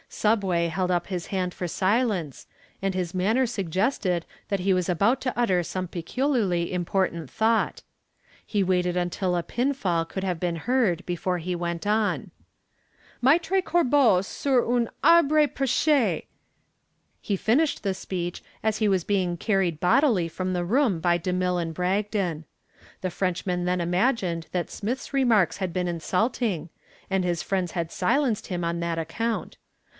"Subway" held up his hand for silence, and his manner suggested that he was about to utter some peculiarly important thought. He waited until a pin fall could have been heard before he went on. "Maitre corbeau sur un arbre perche " he finished the speech as he was being carried bodily from the room by DeMille and Bragdon. The Frenchmen then imagined that Smith's remarks had been insulting, and his friends had silenced him on that account.